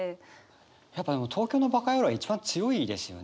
やっぱでも「東京のバカヤロー」は一番強いですよね。